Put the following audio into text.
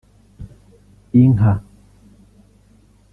inka